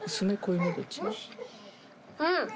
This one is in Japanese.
うん！